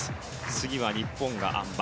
次は日本はあん馬。